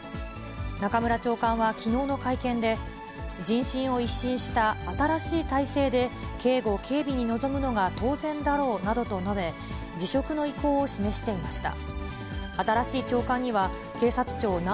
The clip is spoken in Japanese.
中村長官はきのうの会見で、人心を一新した新しい体制で警護警備に臨むのが当然だろうなどと述べ、辞職の意向を示していました。